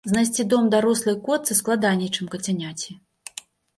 Знайсці дом дарослай котцы складаней, чым кацяняці.